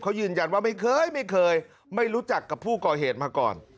เขายืนยันว่าไม่เคยไม่เคยไม่รู้จักกับผู้ก่อเหตุมาก่อน